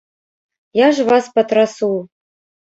Я ж вас патрасу!